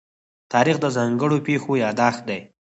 تاریخ د ځانګړو پېښو يادښت دی.